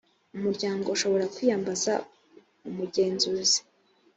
umuryango ushobora kwiyambaza umugenzuzi